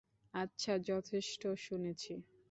আচ্ছা, যথেষ্ট শুনেছি!